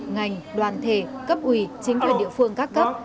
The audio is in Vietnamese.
ngành đoàn thể cấp ủy chính quyền địa phương các cấp